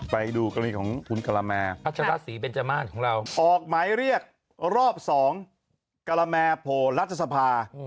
ไปดูกรณีของคุณกรมแมพัชราสีเป็นจาม่านของเราออกหมายเรียกรอบ๒กรมแมโผลัทธสภา